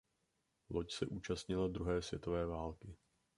Loď se účastnila druhé světové války.